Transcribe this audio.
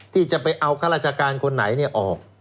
ที่จะไปเอาข้าราชการคนไหนออก